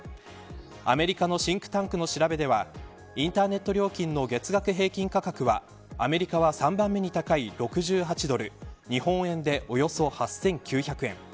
アメリカのシンクタンクの調べではインターネット料金の月額平均価格はアメリカは３番目に高い６８ドル日本円でおよそ８９００円。